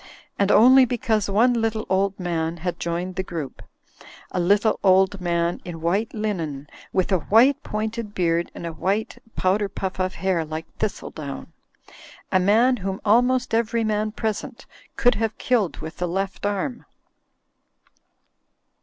And only because one little old man had joined the group; a little old man in white linen with a white pointed beard and a white powder puff of hair like thistledown: a man whom almost ev ery man present could have killed iw^itl^ Ji^ft arm.